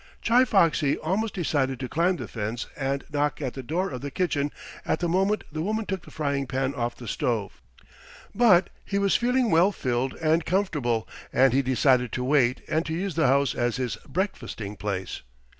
Chi Foxy almost decided to climb the fence and knock at the door of the kitchen at the moment the woman took the frying pan off the stove, but he was feeling well filled and comfortable, and he decided to wait and to use the house as his breakfasting place.